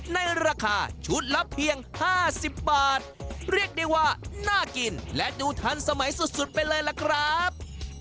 ในราคาชุดละเพียง๕๐บาทเรียกได้ว่าน่ากินและดูทันสมัยสุดไปเลยล่ะครับ